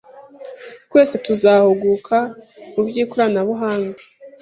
twese tuzahuguka mu by’ikoranabuhanga.